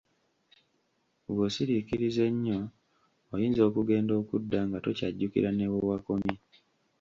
Bw'osiriikiriza ennyo oyinza okugenda okudda nga tokyajjukira ne wewakomye!